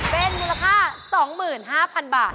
เป็นราคา๒๕๐๐๐บาท